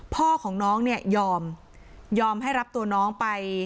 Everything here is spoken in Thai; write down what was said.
พ่อของน้องเนี่ยยอมยอมให้รับตัวน้องไป